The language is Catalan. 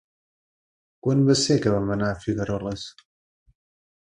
Quan va ser que vam anar a Figueroles?